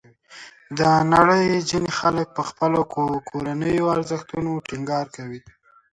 د نړۍ ځینې خلک په خپلو کورنیو ارزښتونو ټینګار کوي.